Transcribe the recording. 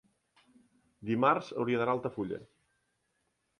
dimarts hauria d'anar a Altafulla.